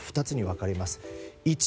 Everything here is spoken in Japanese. ２つに分かれます。